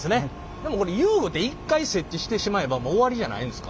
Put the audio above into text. でもこれ遊具て一回設置してしまえばもう終わりじゃないんですか？